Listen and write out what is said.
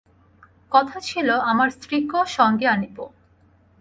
কথা ছিল, আমার স্ত্রীকেও সঙ্গে আনিব।